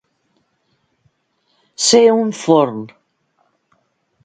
Ser un forn.